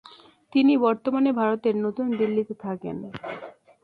তিনি বর্তমানে ভারতের নতুন দিল্লিতে থাকেন।